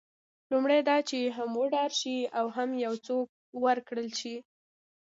لومړی دا چې هم وډارول شي او هم یو څه ورکړل شي.